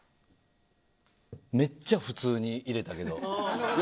めっちゃ普通に入れたけど。